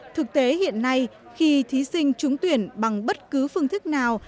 thực tế hiện nay khi thí sinh trúng tuyển bằng bất cứ phương thức nào